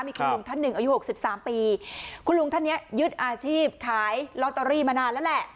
มีคุณลุงท่านหนึ่งอายุหกสิบสามปีคุณลุงท่านนี้ยึดอาชีพขายลอตเตอรี่มานานแล้วแหละ